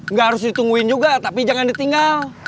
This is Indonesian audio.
nggak harus ditungguin juga tapi jangan ditinggal